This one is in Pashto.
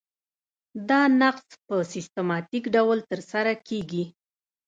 دا نقض په سیستماتیک ډول ترسره کیږي.